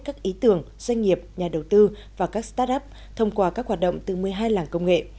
các ý tưởng doanh nghiệp nhà đầu tư và các start up thông qua các hoạt động từ một mươi hai làng công nghệ